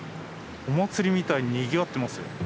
お祭りみたいににぎわってますよ。